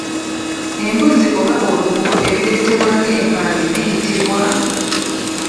Embuzi oba olubugo ebireetebwa ng’empaabi biyitibwa?